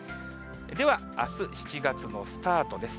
ではあす７月のスタートです。